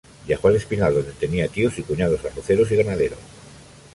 Viajó a El Espinal, donde tenía tíos y cuñados arroceros y ganaderos.